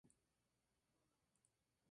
Se trata de una producción alemana y austriaca.